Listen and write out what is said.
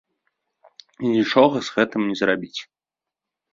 І нічога з гэтым не зрабіць.